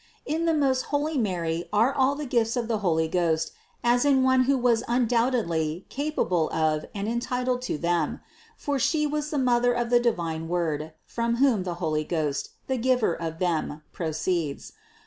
603. In the most holy Mary were all the gifts of the Holy Ghost as in one who was undoubtedly capable of and entitled to them ; for She was the Mother of the divine Word, from whom the Holy Ghost, the Giver of them, proceeds.